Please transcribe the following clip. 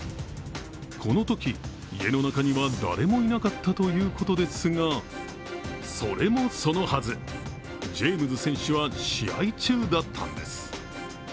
このとき家の中には誰もいなかったということですが、それもそのはず、ジェームズ選手は試合中だったんです。